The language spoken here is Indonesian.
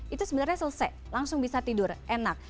itu sebenarnya selesai langsung bisa tidur enak